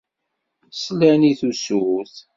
Slan i tusut.